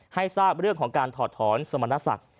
ให้ทราบเรื่องของการถอดถอนสมณศักดิ์